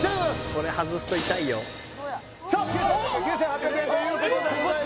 これ外すと痛いよさあ９９８０円ということでえっ